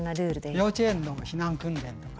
幼稚園の避難訓練とか。